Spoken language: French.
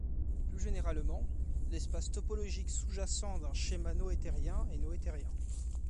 Plus généralement, l'espace topologique sous-jacent d'un schéma noethérien est noethérien.